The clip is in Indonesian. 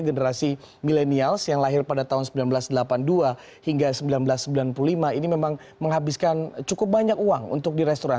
generasi milenials yang lahir pada tahun seribu sembilan ratus delapan puluh dua hingga seribu sembilan ratus sembilan puluh lima ini memang menghabiskan cukup banyak uang untuk di restoran